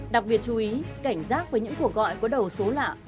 đặc biệt chú ý cảnh giác với những cuộc gọi có đầu số lạ